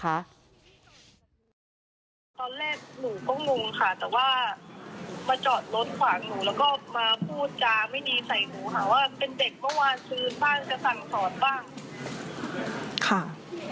เพราะหนูก็จอดอยู่ในช่องของหนูไม่ได้ไปล้ำเส้นเขา